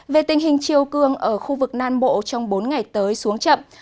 về tình hình chiều cương ở khu vực nam bộ trong bốn ngày tới xuống chậm